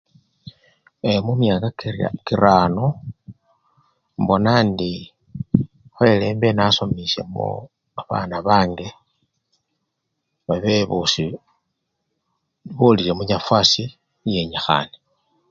Ee! mumyaka kira! kirano, mbona ndi khoyele embe nasomisyemo babana bange babe bosii bolile munyafwasi eyenyikhane.